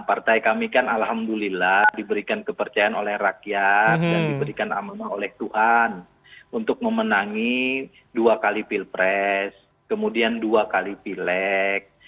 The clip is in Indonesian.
partai kami kan alhamdulillah diberikan kepercayaan oleh rakyat dan diberikan amanah oleh tuhan untuk memenangi dua kali pilpres kemudian dua kali pilek